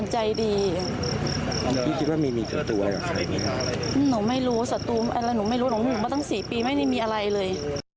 หนูไม่รู้สัตว์ไอวะหนูไม่รู้หนูห่วงว่าตั้งสี่ปีไม่มีอะไรเลย